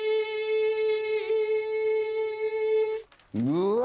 うわ！